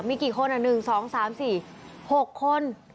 มีกี่คน๑๒๓๔๖คน